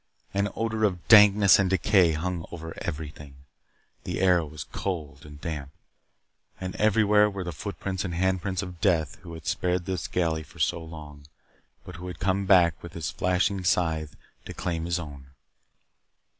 An odor of dankness and decay hung over everything. The air was cold and damp. And everywhere were the footprints and handprints of Death who had spared this galley for so long, but who had come back with his flashing scythe to claim his own.